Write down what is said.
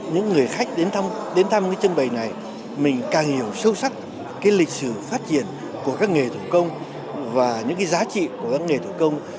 những người khách đến thăm cái chân bày này mình càng hiểu sâu sắc lịch sử phát triển của các nghề thủ công và những cái giá trị của các nghề thủ công